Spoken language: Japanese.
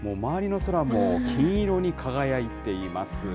もう周りの空も金色に輝いています。